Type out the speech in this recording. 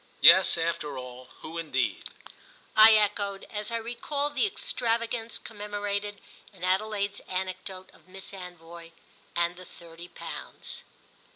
"Yes, after all, who indeed?" I echoed as I recalled the extravagance commemorated in Adelaide's anecdote of Miss Anvoy and the thirty pounds.